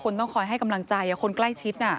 คนต้องคอยให้กำลังใจและคนใกล้ชิดนะ